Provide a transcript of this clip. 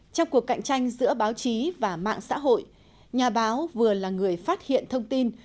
trong cuộc cạnh tranh giữa báo chí và mạng xã hội nhà báo vừa là người phát hiện thông tin